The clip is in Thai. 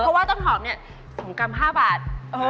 เพราะว่าต้นหอมเนี่ย๒กรัม๕บาท